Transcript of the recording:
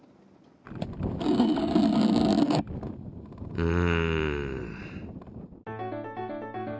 うん。